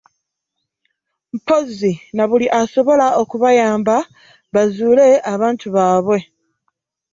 Mpozzi na buli asobola okubayamba bazuule abantu baabwe